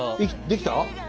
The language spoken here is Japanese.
できた？